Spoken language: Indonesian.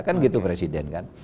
kan gitu presiden kan